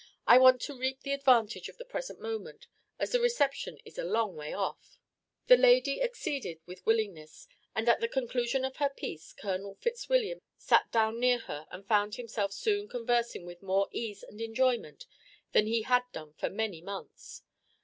I want to reap the advantage of the present moment, as the reception is a long way off." The lady acceded with willingness, and at the conclusion of her piece Colonel Fitzwilliam sat down near her and found himself soon conversing with more ease and enjoyment than he had done for many months.